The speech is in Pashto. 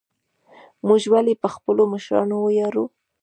موږ ولې په خپلو مشرانو ویاړو؟